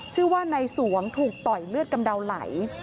ชื่อว่านายสวงถูกต่อยเลือดกำเดาไหล